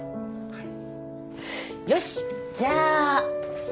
はい。